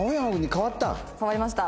変わりました。